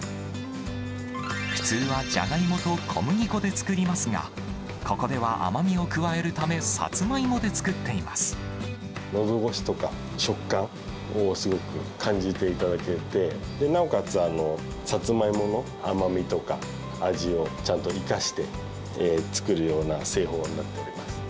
普通はジャガイモと小麦粉で作りますが、ここでは甘みを加えるたのどごしとか食感をすごく感じていただけて、なおかつサツマイモの甘みとか、味をちゃんと生かして作るような製法になっております。